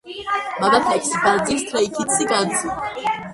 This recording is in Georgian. მამაფლექსი ბანძი სთრეი ქიდსი განძი